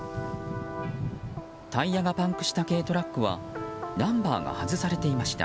タイヤがパンクした軽トラックはナンバーが外されていました。